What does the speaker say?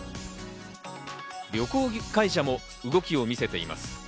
旅行会社も動きを見せています。